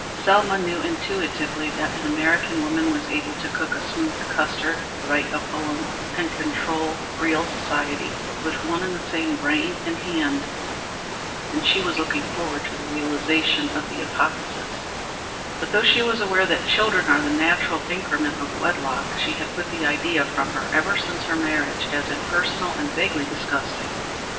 Selma knew intuitively that an American woman was able to cook a smooth custard, write a poem and control real society with one and the same brain and hand, and she was looking forward to the realization of the apotheosis; but, though she was aware that children are the natural increment of wedlock, she had put the idea from her ever since her marriage as impersonal and vaguely disgusting.